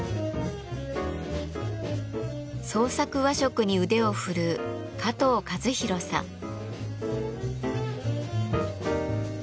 創作和食に腕を振るう加藤和弘さん。